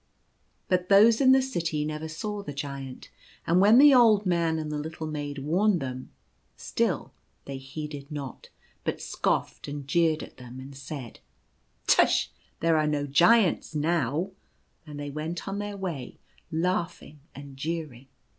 But those in the city never saw the Giant ; and when the old man and the little maid warned them, still they heeded not, but scoffed and jeered at them, and said, u Tush ! there are no Giants now ;" and they went on their way, laughing and jeering.